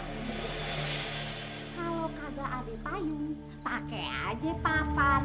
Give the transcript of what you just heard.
kalau ada ada pake aja papan